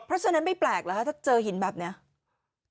เพราะฉะนั้นไม่แปลกเหรอคะถ้าเจอหินแบบนี้